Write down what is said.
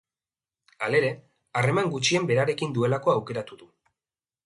Halere, harreman gutxien berarekin duelako aukeratu du.